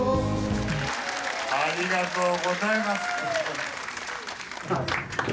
ありがとうございます。